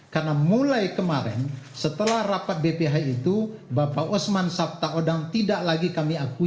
karena mulai kemarin setelah rapat bph itu bapak osman sabtaodang tidak lagi kami akui